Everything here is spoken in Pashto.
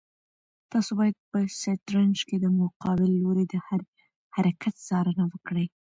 تاسو باید په شطرنج کې د مقابل لوري د هر حرکت څارنه وکړئ.